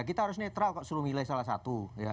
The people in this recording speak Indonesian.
kita harus netral kok suruh milih salah satu